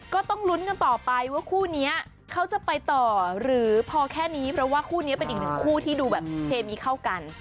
ก็ต้องลุ้นกันต่อไปว่าคู่นี้เขาจะไปต่อหรือพอแค่นี้เพราะว่าคู่นี้เป็นอีกหนึ่งคู่ที่ดูแบบเคมีเข้ากัน